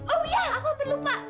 oh iya aku hampir lupa